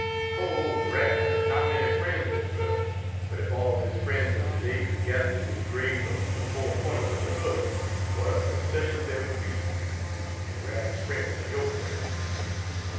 Poor old Rab had not many "friends" at first, but if all his friends of today could gather to his grave from the four corners of the earth what a procession there would be! And Rab's friends are your friends.